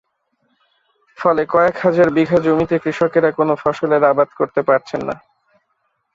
ফলে কয়েক হাজার বিঘা জমিতে কৃষকেরা কোনো ফসলের আবাদ করতে পারছেন না।